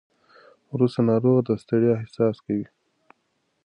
وروسته ناروغ د ستړیا احساس کوي.